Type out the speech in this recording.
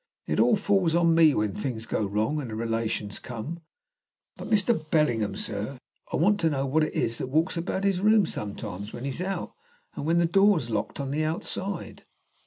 It all falls on me when things go wrong and the relations come. But Mr. Bellingham, sir. I want to know what it is that walks about his room sometimes when he's out and when the door's locked on the outside."